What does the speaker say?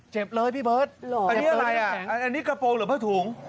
เจ็บเลยพี่เบิร์ตอันนี้อะไรอ่ะอันนี้กระโปรงหรือผ้าถุง